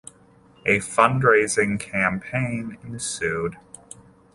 A fundraising campaign ensued.